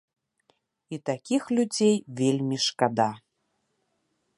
І такіх людзей вельмі шкада.